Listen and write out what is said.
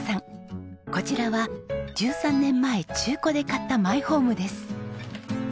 こちらは１３年前中古で買ったマイホームです。